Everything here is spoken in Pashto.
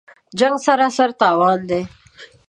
جـنګ سراسر تاوان دی